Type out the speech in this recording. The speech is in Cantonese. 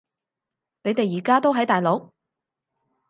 你哋而家都喺大陸？